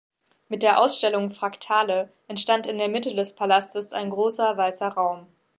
Mit der Ausstellung "Fraktale" entstand in der Mitte des Palastes ein großer weißer Raum.